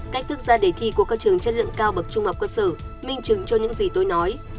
cách thức ra để thi của các trường chất lượng cao bậc trung học cơ sở minh chứng cho những gì tôi nói